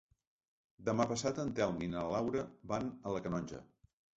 Demà passat en Telm i na Laura van a la Canonja.